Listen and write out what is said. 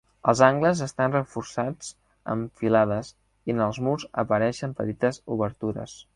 Els angles estan reforçats amb filades i en els murs apareixen petites obertures.